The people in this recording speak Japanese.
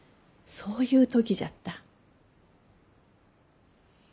そういう時じゃった。